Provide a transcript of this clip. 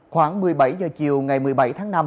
khoảng một mươi bảy h chiều ngày một mươi bảy tháng năm